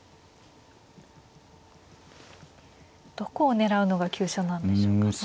どこを狙うのが急所なんでしょうかね。